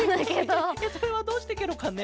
それはどうしてケロかね？